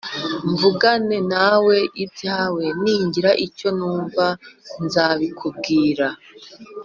mvugane na we ibyawe, ningira icyo numva nzabikubwira.